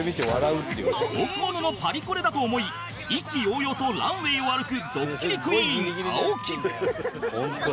本物のパリコレだと思い意気揚々とランウェイを歩くドッキリクイーン青木